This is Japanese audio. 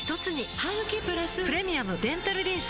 ハグキプラス「プレミアムデンタルリンス」